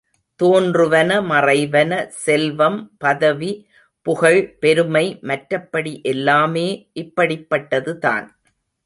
தோன்றுவன மறைவன, செல்வம், பதவி, புகழ் பெருமை மற்றபடி எல்லாமே இப்படிப்பட்டதுதான்!